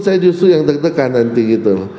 saya justru yang deg degan nanti gitu